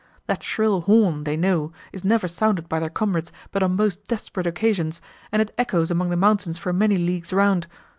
That shrill horn, they know, is never sounded by their comrades but on most desperate occasions, and it echoes among the mountains for many leagues round.